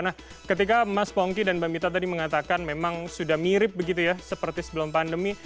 nah ketika mas pongki dan mbak mita tadi mengatakan memang sudah mirip begitu ya seperti sebelum pandemi